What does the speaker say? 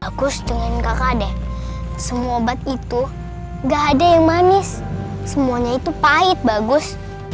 bagus dengan kakadeh semua obat itu enggak ada yang manis semuanya itu pahit bagus